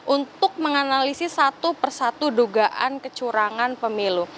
untuk menganalisis satu persatu dugaan kecurangan pemilu